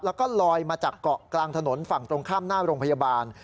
แล้วก็ลอยมาจากเกาะกลางถนนฝั่งตรงข้ามหน้าโรงพยาบาล